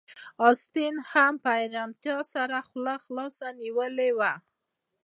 اسټین لاهم په حیرانتیا سره خوله خلاصه نیولې وه